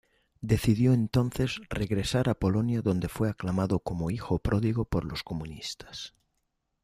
Decidió entonces regresar a Polonia, donde fue aclamado como hijo pródigo por los comunistas.